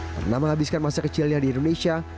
pernah menghabiskan masa kecilnya di indonesia